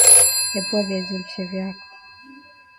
Epua viazilishe vyako